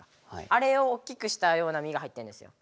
あれを大きくしたような身が入ってんですよ。